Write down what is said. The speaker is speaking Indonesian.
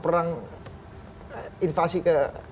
perang invasi ke